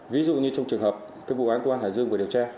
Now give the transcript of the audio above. ví dụ như trong trường hợp vụ án của hải dương